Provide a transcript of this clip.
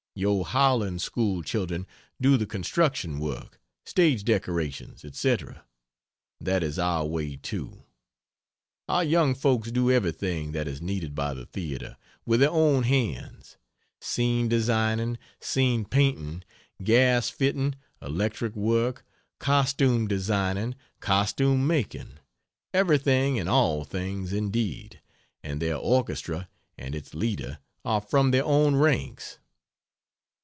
Your Howland School children do the construction work, stage decorations, etc. That is our way too. Our young folks do everything that is needed by the theatre, with their own hands; scene designing, scene painting, gas fitting, electric work, costume designing costume making, everything and all things indeed and their orchestra and its leader are from their own ranks.